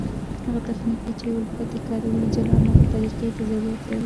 هغه تخنیکونه، چي الفت ئې کاروي جلا نقد طریقي ته ضرورت لري.